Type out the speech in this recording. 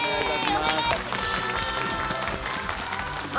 お願いします！